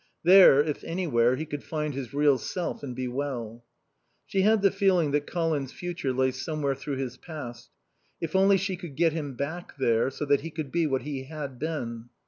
There, if anywhere, he could find his real self and be well. She had the feeling that Colin's future lay somewhere through his past. If only she could get him back there, so that he could be what he had been.